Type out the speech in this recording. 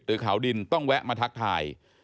ขาวดินต้องแวะมาทักทาย